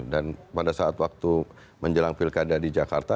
dan pada saat waktu menjelang pilkada di jakarta